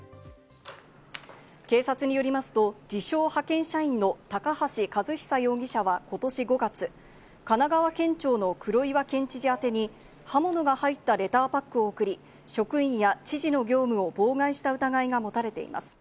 警察によりますと、自称・派遣社員の高橋和久容疑者はことし５月、神奈川県庁の黒岩県知事宛てに刃物が入ったレターパックを送り、職員や知事の業務を妨害した疑いが持たれています。